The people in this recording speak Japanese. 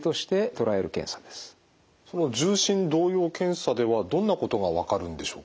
その重心動揺検査ではどんなことが分かるんでしょうか？